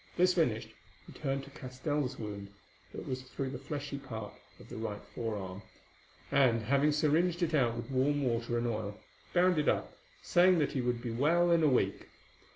This finished, he turned to Castell's wound, that was through the fleshy part of the right forearm, and, having syringed it out with warm water and oil, bound it up, saying that he would be well in a week.